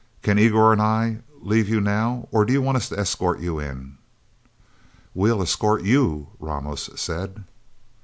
Can Igor and I leave you, now, or do you want us to escort you in?" "We'll escort you," Ramos said.